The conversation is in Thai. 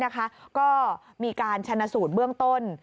ก็มีการชนะสูตรเบื้องต้น